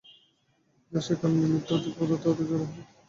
দেশ-কাল-নিমিত্তের অতীত পদার্থ আদৌ জড় হইবে না।